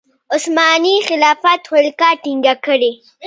عثماني خلافت ولکه ټینګه کړي.